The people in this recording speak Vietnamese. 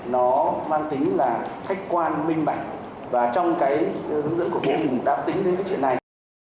nó mang tính là khách quan minh bảnh và trong cái hướng dẫn của bộ mình đáp tính đến cái chuyện này